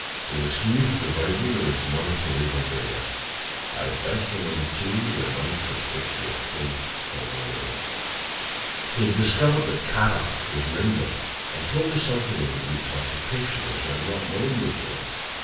It was he who provided me with money to leave Albania. I begged from him, too, the knife with which he had killed Salvolio. He had discovered that Kara was in England and told me something of the Greek's occupation which I had not known before.